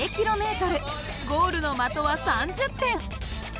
ゴールの的は３０点。